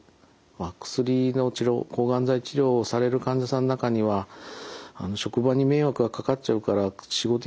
薬の治療抗がん剤治療をされる患者さんの中には職場に迷惑がかかっちゃうから仕事辞める方もおられます。